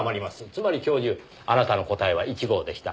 つまり教授あなたの答えは「１５」でした。